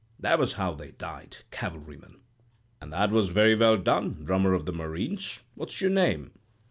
That was how they died, cavalryman.' "'And that was very well done, drummer of the Marines. What's your name?'